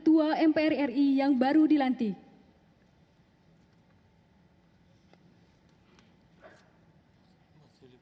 dan daerah yang saya wakili